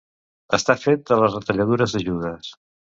Estar fet de les retalladures de Judes.